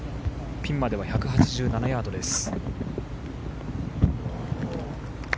ピンまでは１８７ヤードです。